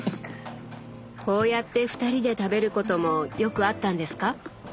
こうやって２人で食べることもよくあったんですか？